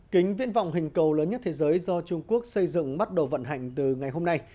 kính viễn vọng hình cầu lớn nhất thế giới do trung quốc xây dựng bắt đầu vận hành từ ngày hôm nay